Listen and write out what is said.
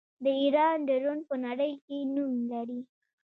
د ایران ډرون په نړۍ کې نوم لري.